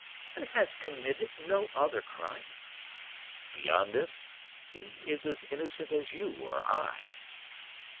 "And has committed no other crime?" "Beyond this, he is as innocent as you or I."